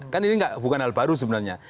kan ini bukan hal baru sebenarnya